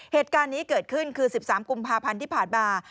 เหตุการณ์นี้เกิดขึ้นคือ๑๓กุมภาพันธ์ที่ผ่านมา